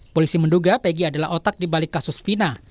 polisi menduga pegg adalah otak dibalik kasus fina